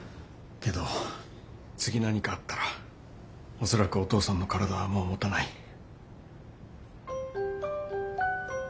けど次何かあったら恐らくお父さんの体はもうもたない。